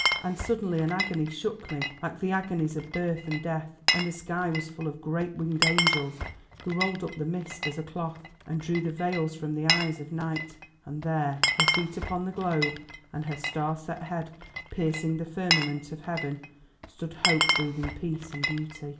"And suddenly an agony shook me like the agonies of birth and death, and the sky was full of great winged angels who rolled up the mist as a cloth, and drew the veils from the eyes of Night, and there, her feet upon the globe, and her star set head piercing the firmament of heaven, stood Hope breathing peace and beauty.